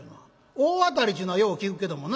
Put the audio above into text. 『大当たり』っちゅうのはよう聞くけどもな。